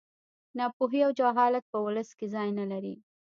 ناپوهي او جهالت په ولس کې ځای نه لري